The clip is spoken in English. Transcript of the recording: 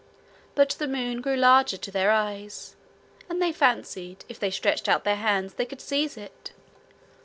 But the moon grew larger to their eyes, and they fancied if they stretched out their hands they could seize it.